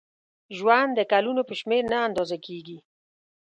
ژوند د کلونو په شمېر نه اندازه کېږي.